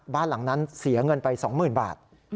บ้านหลังนั้นเสียเงินไป๒๐๐๐บาท